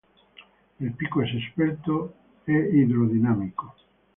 El pico es esbelto y hidrodinámico.